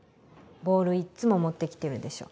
ボールいつも持って来てるでしょ。